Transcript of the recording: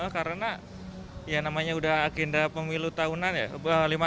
karena ya namanya udah agenda pemilu tahunan ya